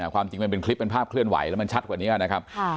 ความจริงมันเป็นคลิปเป็นภาพเคลื่อนไหวแล้วมันชัดกว่านี้นะครับ